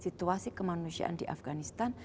situasi kemanusiaan di afganistan